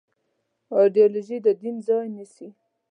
ایدیالوژي د دین ځای نيسي.